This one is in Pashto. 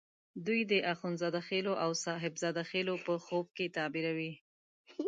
دوی د اخند زاده خېلو او صاحب زاده خېلو په خوب کې تعبیروي.